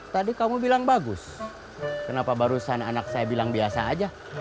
tadi kamu bilang bagus kenapa barusan anak saya bilang biasa aja